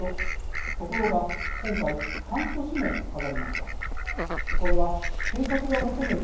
ところが、今回半年もかかりました。